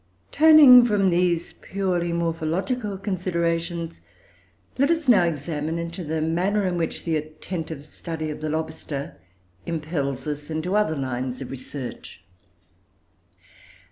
Turning from these purely morphological considerations, let us now examine into the manner in which the attentive study of the lobster impels us into other lines of research.